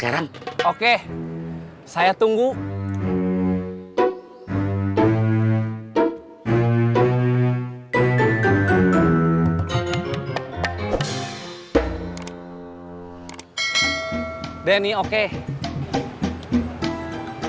makanya saya bilang juga telepon dulu